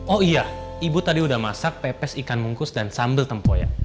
oh iya ibu tadi udah masak pepes ikan mungkus dan sambal tempo ya